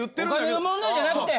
お金の問題じゃなくて。